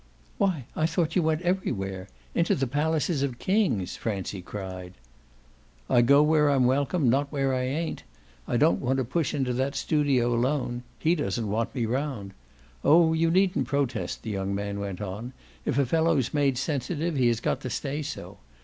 "Why I thought you went everywhere into the palaces of kings!" Francie cried. "I go where I'm welcome, not where I ain't. I don't want to push into that studio alone; he doesn't want me round. Oh you needn't protest," the young man went on; "if a fellow's made sensitive he has got to stay so.